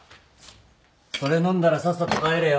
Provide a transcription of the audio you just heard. それ飲んだらさっさと帰れよ。